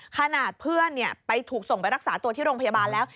ขนาดเพื่อนไปถูกส่งไปรักษาตัวที่โรงพยาบาลแล้ว